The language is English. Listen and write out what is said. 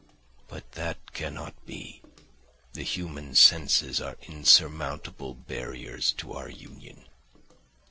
But that cannot be; the human senses are insurmountable barriers to our union.